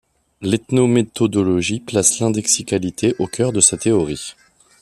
L'ethnométhodologie place l'indexicalité au cœur de sa théorie.